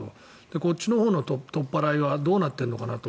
こっちのほうの取っ払いはどうなっているのかなと。